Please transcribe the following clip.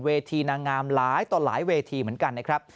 นางงามหลายต่อหลายเวทีเหมือนกันนะครับ